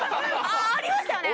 ありましたよね？